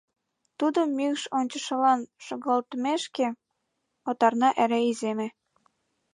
Тудым мӱкш ончышылан шогалтымешке, отарна эре иземе.